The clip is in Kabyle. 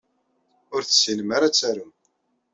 Ur tessinem ara ad tarum.